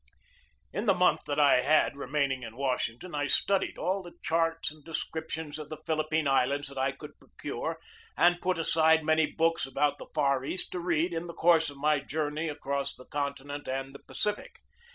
In the month that I had remaining in Washing ton I studied all the charts and descriptions of the Philippine Islands that I could procure and put aside many books about the Far East to read in the course of my journey across the continent and the Pacific.